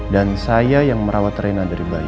dan saya yang merawat rena dari bayi